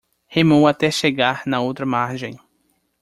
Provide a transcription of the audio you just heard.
Remou até chegar na outra margem